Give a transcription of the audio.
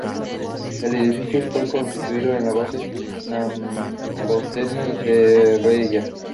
El edificio fue construido a base de mampostería y sillería.